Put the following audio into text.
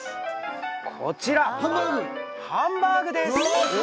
こちら「ハンバーグ」です